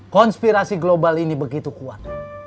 konspirasi global ini begitu kuat